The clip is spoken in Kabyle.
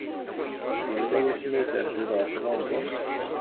Yella wasmi ay terziḍ ɣef London?